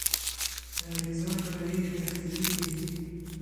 انګریزان به له ویرې تښتېدلي وي.